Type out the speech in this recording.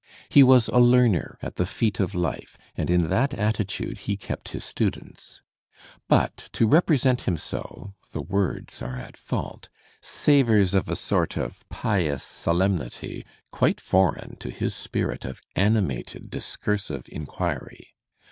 He was a learner at the feet of life and in that attitude he kept his students. But to represent him so (the words are at fault) savours of a sort of pious solenmity quite foreign to his spirit of animated discursive inquiry.